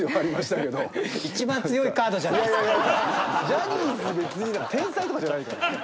ジャニーズ別に天才とかじゃないから。